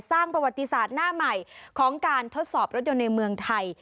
สร้างประวัติศาสตร์หน้าใหม่ของการทดสอบรถยนต์ในเมืองไทย